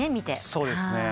そうですね。